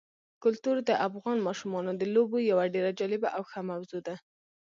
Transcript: کلتور د افغان ماشومانو د لوبو یوه ډېره جالبه او ښه موضوع ده.